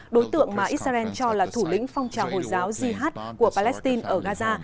đối tượng mà israel cho là thủ lĩnh phong trào hồi giáo jihad của palestine ở gaza